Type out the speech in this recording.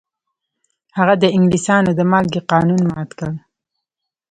هغه د انګلیسانو د مالګې قانون مات کړ.